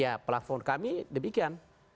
ya platform kami demikian